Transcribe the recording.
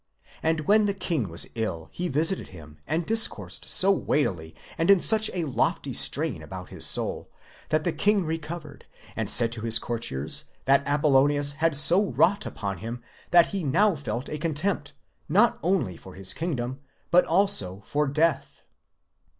And when the king was ill he visited him, and discoursed so weightily and in such a lofty strain about the soul, that the king recovered, and said to his courtiers, that Apollonius had so wrought upon him that he now felt a contempt, not only for his kingdom but also for death.